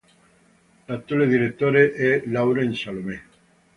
L'attuale direttore è Laurent Salomé.